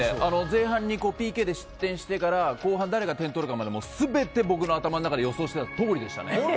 前半にＰＫで失点してから後半、誰が点取るかまで全て、僕の頭の中で予想してたとおりでしたね。